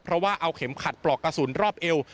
เพราะว่าเอาเข็มขัดปลอกกระสุนรอบเอว